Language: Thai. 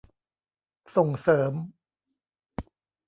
ส่งเสริม